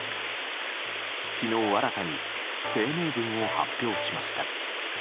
昨日新たに声明文を発表しました。